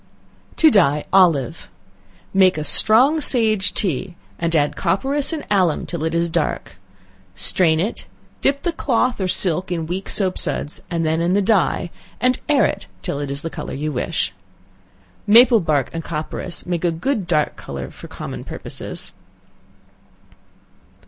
To Dye Olive. Make a strong sage tea, and add copperas and alum till it is dark; strain it; dip the cloth or silk in weak soap suds, and then in the dye, and air it, till it is the color you wish. Maple bark and copperas make a good dark color for common purposes.